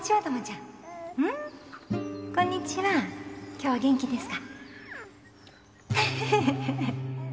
今日は元気ですか？